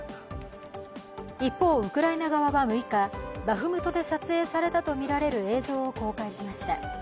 一方、ウクライナ側は６日、バフムトで撮影されたとみられる映像を公開しました。